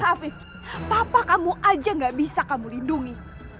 afiq papa kamu aja nggak bisa kamu lindungi